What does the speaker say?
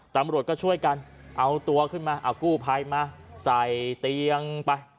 ตำรวจก็ช่วยกันเอาตัวขึ้นมาเอากู้ภัยมาใส่เตียงไป